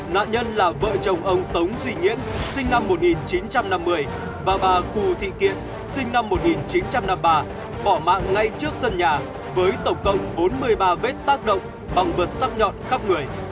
nạn nhân là vợ chồng ông tống duy nghĩa sinh năm một nghìn chín trăm năm mươi và bà cù thị kiện sinh năm một nghìn chín trăm năm mươi ba bỏ mạng ngay trước sân nhà với tổng cộng bốn mươi ba vết tác động bằng vật sắc nhọn khắp người